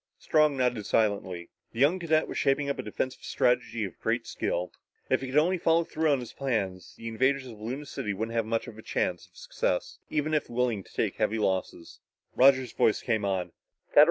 Strong nodded silently. The young cadet was shaping up a defensive strategy with great skill. If he could only follow through on his plans, the invaders of Luna City wouldn't have much chance of success even if willing to take heavy losses. Roger's voice came on.